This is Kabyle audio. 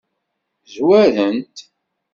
Zwaren-t.